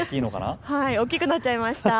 おっきくなっちゃいました。